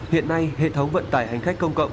hiện nay hệ thống vận tải hành khách công cộng